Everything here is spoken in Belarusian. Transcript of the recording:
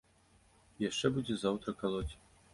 І яшчэ будзе заўтра калоць.